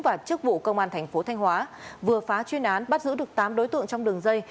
và chức vụ công an thành phố thanh hóa vừa phá chuyên án bắt giữ được tám đối tượng trong đường dây